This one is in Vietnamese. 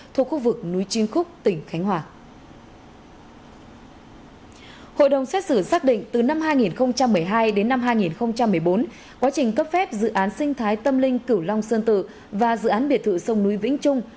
các bị cáo đã có nhiều xe phạm trong việc giao đất cho các dự án sinh thái tâm linh cửu long sơn tự và dự án biệt thự sông núi vĩnh trung